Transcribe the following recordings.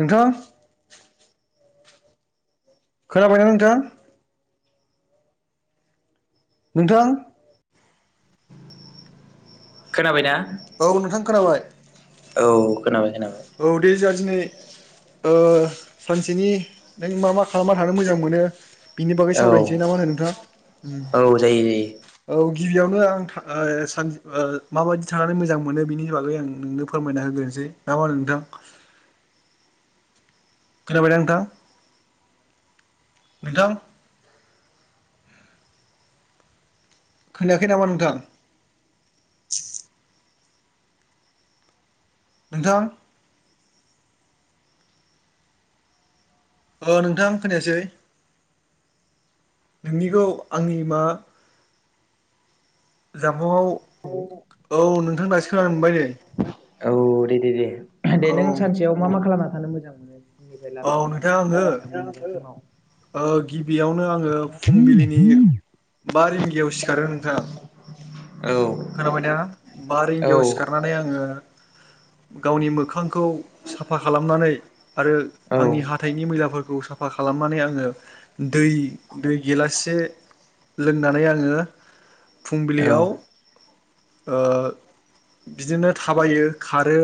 नोंथां खोनाबायना नोंथां नोंथां खोनाबायना औ नोंथां खोनाबाय । औ खोनाबाय खोनाबाय औ दे जोहा दिनै ओ सानसेनि नों मा मा खालामना थानो मोजां मोनो बिनि बागै औ सावरायसै ना मा होनो नोंथां उम औ जायो जायो औ गिबियावनो आं था ओ सानजु माबायदि थानानै मोजां मोनो बिनि बागै आं नोंनो फोरमायना होग्रोनोसै । ना मा होनो नोंथां खोना बायना नोंथां नोंथां खोनायाखै नामा नोंथां नोंथां औ नोंथां खोनायासै नोंनिखौ आंनि मा नआव औ नोंथां दासो खोनानो मोनबाय नै । औ दे दे दे दे नों सानसेयाव मा मा खालामना थानो मोजां मोनो फुंनिफ्राय औ लानानै नोंथां आङो ओ [unintelligible] [inaudible] ओ गिबियावनो आङो फुंबिलिनि बा रिंगायाव सिखारो नोंथां । औ खोनाबायदा बा औ रिंगायाव सिखारनानै आङो गावनि मोखां खौ साफा खालामनानै आरो औ आंनि हाथाइनि मैलाफोर खौ साफा खालामनानै आङो दै दै गेलाससे लोंनानै आङो औ फुंबिलियाव ओ बिदिनो थाबायो, खारो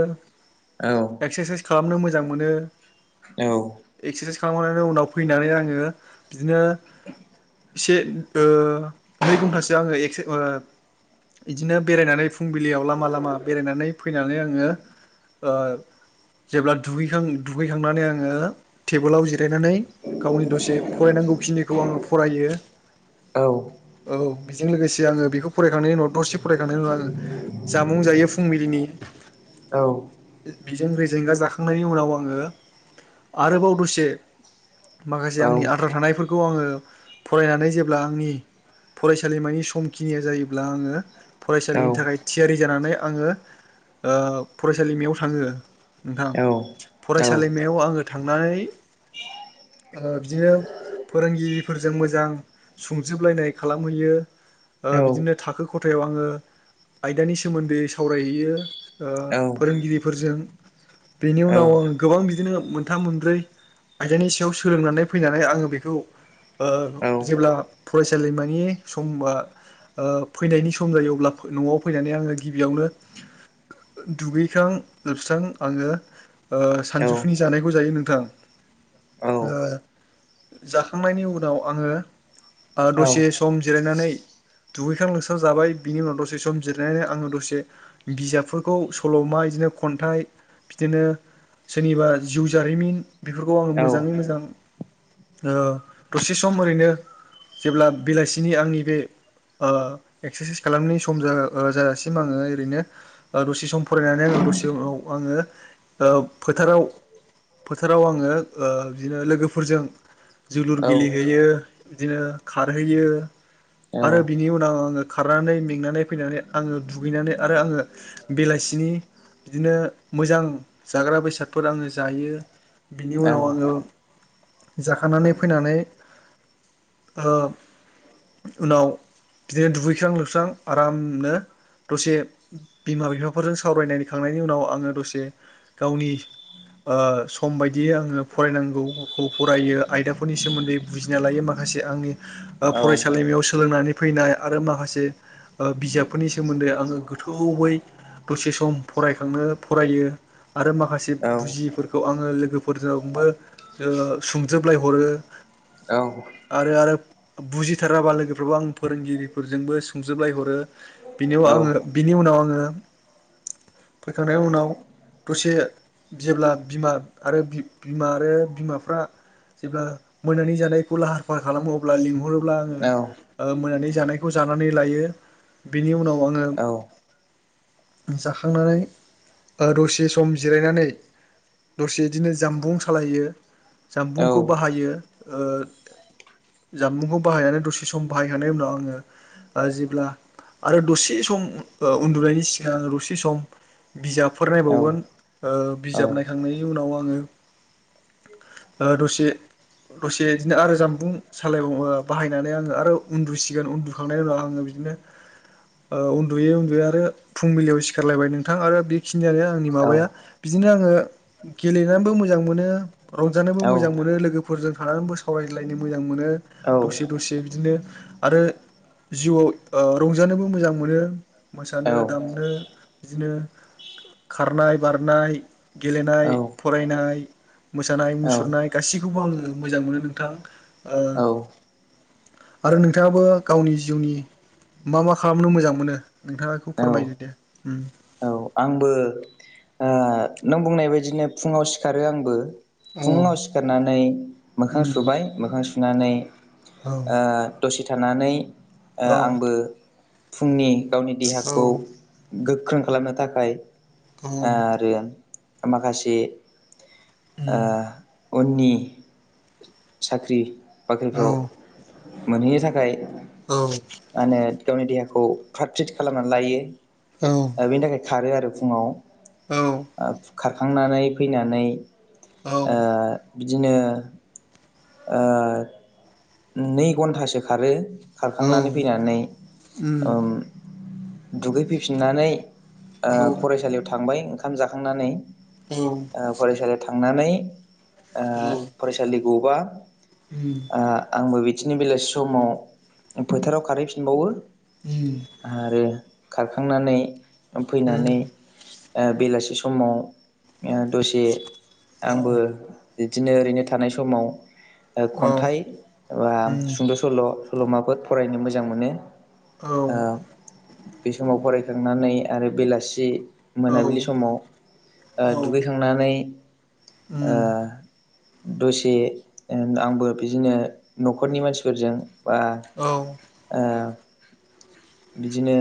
औ एक्सारसाइस खालामनो मोजां मोनो । औ खालामखांनायनि उनाव फैनानै आङो बिदिनो एसे ओ नै घन्टासो आङो एक्से ओ इदिनो बेरायनानै फुंबिलियाव लामा लामा बेरायनानै फैनानै आङो ओ जेब्ला दुगैखां दुगैखांनानै आङो टेबोलाव जिरायनानै गावनि दसे फरायना नांगौखिनिखौ आङो फरायो । औ औ बेजों लोगोसे आङो बेखौ फरायखांनायनि उनाव दसे फरायखांनायनि उनाव आङो जामुं जायो फुंबिलिनि औ बिजों रेजेंगा जाखांनायनि उनाव आङो आरोबाव दसे माखासे औ आंनि आद्रा औ थानायफोरखौ आङो फरायनानै जेब्ला आंनि फरायसालिमानि समखिनिया जायोब्ला आङो औ फरायसालिनि औ थाखाय थियारि जानानै आङो ओ फरायसालिमायाव थाङो नोंथां फरायसालिमायाव आङो थांनानै ओ बिदिनो फोरोंगिरिफोरजों मोजां संजोबलायनाय खालामहैयो ओ बिदिनो थाखो ख खथायाव आङो आयदानि सोमोन्दै सावरायहैयो ओ फोरोंगिरिफोरजों बेनि उनाव आं गोबां बिदिनो मोनथाम मोनब्रै आयदानि सायाव सोलोंनानै फैनानै आङो बेखौ ओ जेब्ला फरायसालिमानि समा ओ फैनायनि सम जायो अब्ला न'आव फैनानै आङो गिबियावनो दुगैखां लोबस्रां आङो ओ सानजौफुनि जानायखौ जायो नोंथां ओ जाखांनायनि उनाव आङो ओ दसे सम जिरायनानै दुगैखां सां जाबाय बिनि उनाव दसे सम जिरनानै आङो दसे बिजाबफोरखौ सल'मा बिदिनो खन्थाइ बिदिनो सोरनिबा जिउ जारिमिन बेफोरखौ आङो मोजाङै मोजां ओ दसे सम ओरैनो जेब्ला बेलासिनि आंनि बे आ एक्सारसाइस खालामनि सम जा ओ जाजासिम आङो ओरैनो ओ दसे सम फरायनानै आङो दसे उनाव आङो ओ फोथाराव फोथाराव आङो ओ बिदिनो लोगोफोरजों जोलुर गेलेहैयो बिदिनो खारहैयो आरो बिनि उनाव आङो खारनानै मेंनानै फैनानै आङो दुगैनानै आरो आङो बेलासिनि बिदिनो मोजां जाग्रा बेसादफोर आङो जायो बिनि उनाव आङो जाखांनानै फैनानै ओ उनाव बिदिनो दुगै सां लोबस्रां आरामनो दसे बिमा बिफाफोरजों सावरायलायखांनायनि उनाव आङो दसे गावनि ओ सम बायदियै आङो फरायनांगौखौ फरायो आयदाफोरनि सोमोन्दै बुजिना लायो माखासे से आंनि फरायसालिमायाव सोलोंनानै फैनाय आरो माखासे ओ बिजाबफोरनि सोमोन्दै आङो गोथौयै दसे सम फरायखांनो फरायो आरो माखासे बुजिफोरखौ आङो लोगोफोरजोंबो ओ सुंजोबलायहरो [unintelligible] [inaudible] आरो आरो बुजिथाराबा लोगोफ्राराबो आं फोरोंगिरिफोरजोंबो सुंजोबलायहरो बिनिआव औ आङो बिनि उनाव आङो फैखांनाय उनाव दसे जेब्ला बिमा आरो बि--बिमा आरो बिमाफ्रा जेब्ला मोनानि जानायखौ लाहार -फाहार खालामो अब्ला लिंहरो। अबोला औ आङो मोननानै जानायखौ जानानै लायो। बिनि उनाव आङो,,, आंबो जाखांनानै दसे सम जिरायनानै,, दसे बिदिनो जामबुं सालायो जामबुंखौ ओ बाहायो। ओ जानबुंखौ बाहायनानै दसे सम बाहायखांनायनि उनाव आङो जेब्ला,,, आरो दसे सम उन्दुनायनि सिगां दसे सम,, बिजाबफोर नायबावगोन बिजाब नों नायखांनायनि उनाव आङो,, ओ दसे,, दसे बिदिनो आरो जामबुं सालायबावनानै बाहायनानै आङो आरो उन्दुसिगोन उन्दुखांनायनि उनाव आंङो,, आङो बिदिनो,,, उन्दुयै -उन्दुयै आरो फुंबिलियाव सिखारलायबाय नोंथां आरो बेखिनियावनो आंनि माबाया बिदिनो,, बिदिनो आङो गेलोनाबो मोजों मोनो रंजानोबो मोजां मोनो,,, लोगोफोरजों थानानैबो सावरायलायनो मोजां मोनो दसे -दसे बिदिनो आरो,, जिउआव रंजानोबो मोजां मोनो मोसानो -दामनो बिदिनो,, खारनाय -बारनाय, गेलेनाय -फरायनाय मोसानाय- मुसुरनाय गासैखौबो आङो मोजां मोनो नोंथां आरो नोंथाङाबो गावनि,,, जिउनि मा- मा खालामनो मोजां मोनो नोंथाङाखौ फोरमायदोदे औ आंबो नों बुंनाय बायदिनो फुङाव सिखारो आंबो,, फुङाव उम सिखारनानै मोखां सुबाय मोखां सुनानै,, औ दसे थानानै आ औ आंबो फुंनि,, गावनि औ देहाखौ गोख्रों खालामनो थाखाय औ आरो,,, माखासे उम आ, उननि साख्रि- औ बाख्रिफ्राव मोनहैनो थाखाय,, औ! मा होनो गावनि देहाखौ फ्रात -फ्रित खालामनानै लायो ।बेनि थाखाय खारो आरो फुङाव,, औ खारखांनानै फैनानै,, बिदिनो ओ नै घन्टासो खारो,, औ खारखांनानै फैनानै ओ उम दुगैफैफिननानै,, औ औ उम औ उम फरायसालियाव थांबाय ओंखाम जाखांनानै औ औ फरायसालियाव,, थांनानै फरायसालि गरबा,, आंबो बिदिनो बेलासि समाव फोथाराव खारहैफिनबावो आरो खारखांनानै फैनानै बेलासि समाव दसे आंबो बिदिनो ओरैनो थानाय समाव खन्थाइ बा उम सुंद' सल, ' सल'माफोर फरायनो मोजां मोनो। औ ओ बे समाव फरायखांनानै आरो बेलासि,, मोनाबिलि समाव औ दुगैखांनानै,, ओ दसे आंबो बिदिनो न'खरनि मानसिफोरजों बा ओ बिदिनो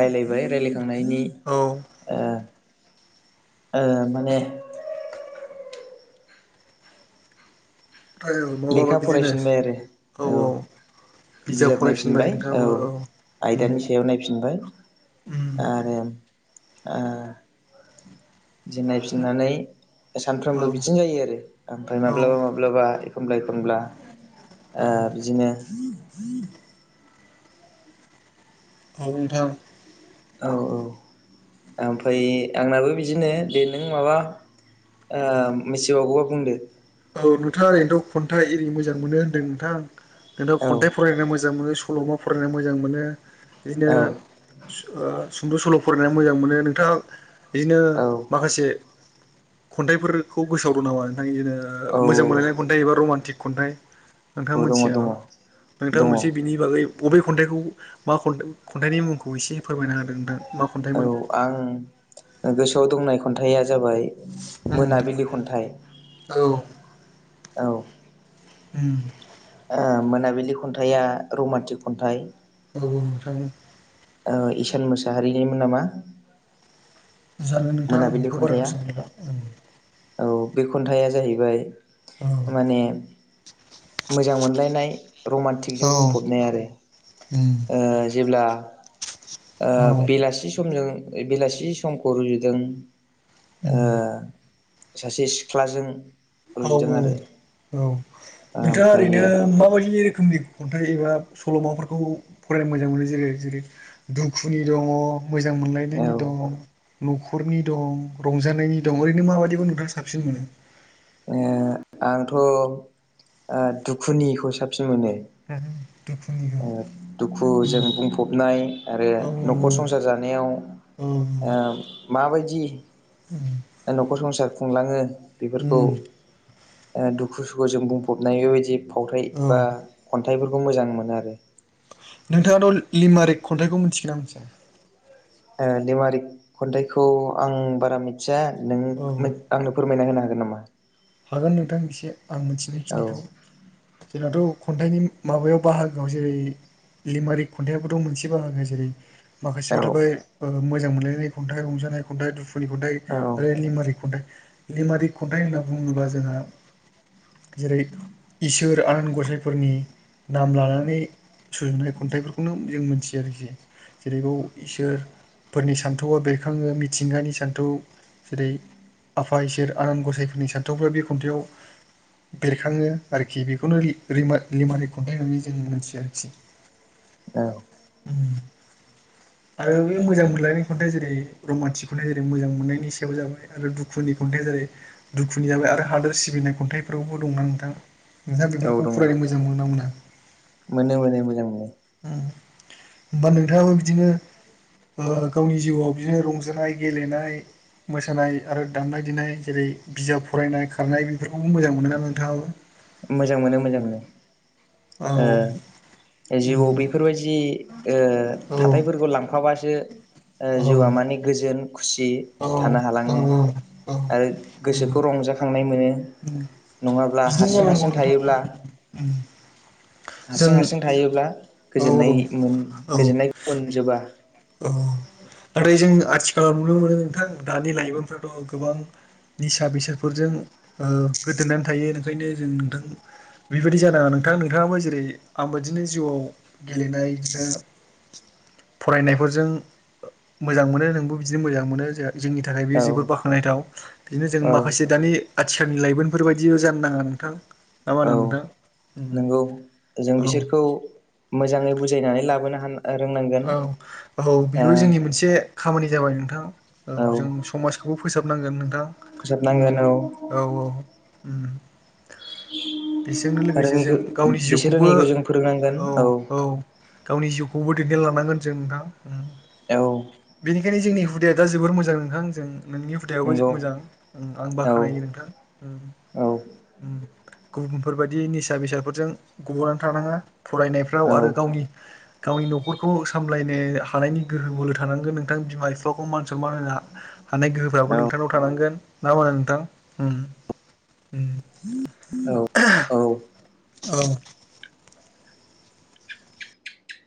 रायलायबाय रायज्लायखांनायनि ओमफ्राय ओ ओ माने, माबाबा लेखा बिदिनो फरायफिनबाय आरो औ बिजाब नायफिनबाय औ आयदानि उम सायाव नायफिनबाय उम आरो नाय फिनानै औ सानफ्रामबो बिदिनो जायो आरो ओमफ्राय औ माब्लाबा -माब्लाबा, एखमब्ला- एखमबा औ होनब्ला बिदिनो हागुन थां,, औ! औ! ओमफ्राय आंनाबो बिदिनो दे नों माबा,, मिथिबावोबोला बुंदो,,, औ नोंथाङा ओरैनोथ' खन्था एरि मोजां मोनो नोंथां नोंथांङा औ खन्थाइ फरायनो मोजां मोनो सल'मा फरायनो मोजां मोनो बिदिनो औ सु ओ सुंद' सल' फरायनायनानै मोजां मोनो नोंथां बिदिनो औ माखासे खन्थाइफोरखौ गोसोआव दं नामा नोंथां इदिनो औ मोजां मोनलायनाय खन्थाइ एबा रमान्टिक खन्थाइ नोंथां दङ मोनसिया दङ औ नोंथां मोनसे दङ बिनि बागै बबे खन्थाइखौ मा खन खन्थाइनि मुंखौ एसे फोरमायनो होदों नोंथां मा औ खन्थाइमोन आं गोसोआव दंनाय खन्थाइया जाबाय मोनाबिलि खन्थाइ औ औ। उम। आ मोनाबिलि खन्थाइया रमान्टिक खन्थाइ [inaudible] ओ इसान मोसाहारिनिमोन नामा? जानो नों थां? मोनाबिलि खन्थाइया औ बे खन्थाइया जाहैबाय औ माने मोजां मोनलायनाय रमान्टिकजों औ बुंफबनाय आरो उम ओ जेब्ला ओ औ बेलासि समजों बेलासि समखौ रुजुदों ओ उम सासे सिख्लाजों औ औ रुजुदों आरो -औ नोंथाङा ओरैनो ओमफ्रायो माबायदि रोखोमनि खन्थाइ एबा सल'माफोरखौ फरायनो मोजां मोनो जेरै जेरै दुखुनि दङ' मोजां औ मोनलायनायनि दं न'खरनि दं रंजानायनि दं ओरैनो माबायदिखौ नोंथाङा साबसिन मोनो ओ आंथ' दुखुनिखौ ओ साबसि [inaudible] ओ दुखुजों उम बुंफबनाय आरो औ न'खर संसार जानायाव औ ओ माबायदि? उम न'खर संसार खुंलाङो बेफोरखौ उम ओ दुखु -सुखुजों बुंफबनाय बेबायदि फावथाइ औ बा खन्थाइफोरखौ मोजां मोनो आरो। नोंथाङाथ' लिमारिक खन्थाइखौ मिथिगोनना मिनथिया? ओ लिमारिक खन्थाइखौ आं बारा मिथिया। नों औ मोद आंनो फोरमायना होनो हागोन नामा? हागोन नोंथां एसे आं औ मोनथिनायखिनिखौ जोंनाथ' खन्थाइनि माबायाव बाहागोआव जेरै लिमारिक खन्थाइयाबोथ' मोनसे बाहागो जेरै औ माखासेयाव थाबाय ओ मोजां मोनलायनाय खन्थाइ रंजानाय खन्थाइ दुखुनि खन्थाइ औ आरो लिमारिक खन्थाइ लिमारिक खन्थाइ होनना बुङोबा जोंहा जेरै इसोर आन गसाइफोरनि नाम लानानै सुजुनाय खन्थाइफोरखौनो जों मोनथियो आरोखि जेरैबाव इसोर फोरनि सान्थौआ बेरखाङो मिथिंगानि सान्थौ जेरै आफा इसोर आनान गसाइख आंनि सान्थौफोर बे खन्थाइयाव बेरखाङो आरोखि बेखौनो लि रिमा लिमालिक खन्थाइ होननानै जों मोनथियो आरोखि। [inaudible] औ। उम। आरो बे मोजां मोनलायनाय खन्थाइ जेरै रमान्टिक खन्थाइ एरै मोजां मोननायनि सायाव जाबाय आरो दुखुनि खन्थाइ जेरै दुखुनि जाबाय आरो हादोर सिबिनाय खन्थाइफ्रावबो दंना नोंथां नोंथाङा औ बेफोरखौ दङ फरायनो मोजां मोनोना मोना? मोनो मोनो मोजां मोनो। होमबा नोंथाङाबो बिदिनो ओ गावनि जिउआव बिदिनो रंजानाय गेलेनाय मोसानाय आरो दामनाय देनाय जेरै बिजाब फरायनाय, खारनाय बेफोरखौबो मोजां मोनो ना नोंथाङाबो? मोजां मोनो मोजां मोनो। औ। ओ जिउआव बेफोरबायदि ओ औ थाथायफोरखौ लांफाबासो ओ जिउआ औ माने गोजोन खुसि औ थानो औ हालाङो। औ आरो औ गोसोखौ रंजाखांनाय मोनो नङाब्ला बिदिनो हारसिं हारसिं जानांगौ हारसिं नोंथां थायोब्ला - जों हारसिं हारसिं थायोब्ला औ औ गोजोननाय मोन औ गोजोननायखौ मोनजोबा। औ नाथाय जों आथिखालाव नुनो मोनो नोंथां दानि लाइमोनफ्राथ' गोबां निसा बेसादफोरजों ओ गोदोनानै थायो ओंखायनो जों नोंथां बेबायदि जानाङा नों नोंथां, नोंथाङाबो जेरै आंबाददिनो जिउआव गेलेनाय ओ फरायनायफोरजों मोजां मोनो नोंबो बिदिनो मोजां मोनो जे जोंनि थाखाय औ बेयो जोबोर बाख्नायथाव बिदिनो जों औ माखासे दानि थिन लाइमोनफोर बायदिल' जानो नाङा नोंथां, ना मा होनो औ नोंथां उम नंगौ जों बिसोरखौ मोजाङै बुजायनानै लाबोनो हानो औ औ बेबो जोंनि मोनसे खामानि जाबाय नोंथां, औ जों समाजखौबो फोसाबनांगोन नोंथां उम औ औ उम बेजोंनो लोगोसे जों रोङिखौ गावनि बिसोर जिउखौबो रोङिखौ जों फोरोंनांगोन औ औ गावनि जिउखौबो दैदेनलांनांगोन जों नोंथां उम औ बेनिखायनो जोंनि हुदाया दा जोबोर मोजां नोंथां जों, नोंनि हुदायावबो नंगौ मोजां ओं आं औ बाख्नायो नोंथां । उम औ उम गुबुनफोरबायदि निसा बेसादफोरजों गब'नानै थानाङा फरायनायफ्राव आरो गाव गावनि गावनि न' न'खरखौ सामलायनो हानायनि गोहो बोलो थानांगोन नोंथां बिमा बिफाखौ मान सनमान होनो हानाय गोहो फोराबो औ नोंथांनाव थानांगोन, ना मा होनो नोंथां? उम औ औ औ